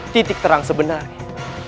titik terang sebenarnya